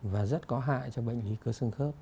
và rất có hại cho bệnh lý cơ xương khớp